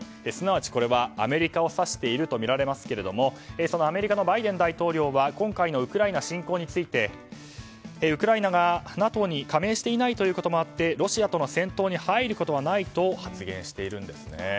すなわち、これはアメリカを指しているとみられますけれどもそのアメリカのバイデン大統領は今回のウクライナ侵攻についてウクライナがＮＡＴＯに加盟していないこともあってロシアとの戦闘に入ることはないと発言しているんですね。